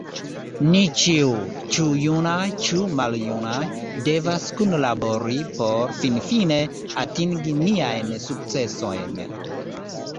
Ni ĉiuj, ĉu junaj ĉu maljunaj, devas kunlabori por finfine atingi niajn sukcesojn.